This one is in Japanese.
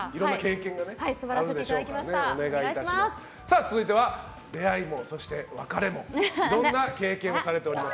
続いては、出会いも別れもいろんな経験をされております